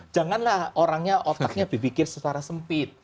janganlah orangnya otaknya berpikir secara sempit